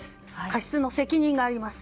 過失の責任があります。